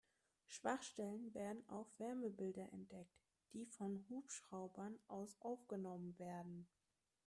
Schwachstellen werden auf Wärmebildern entdeckt, die von Hubschraubern aus aufgenommen werden.